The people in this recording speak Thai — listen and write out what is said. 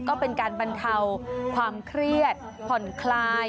ก็เป็นการบรรเทาความเครียดผ่อนคลาย